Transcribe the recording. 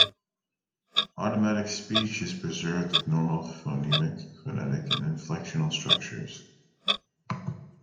Automatic speech is preserved with normal phonemic, phonetic and inflectional structures.